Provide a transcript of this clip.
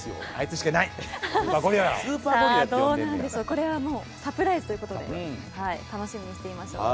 これはもうサプライズという事で楽しみにしていましょう。